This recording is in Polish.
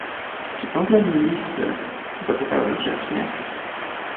"Czy są dla mnie listy, zapytałem grzecznie."